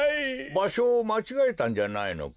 ばしょをまちがえたんじゃないのか？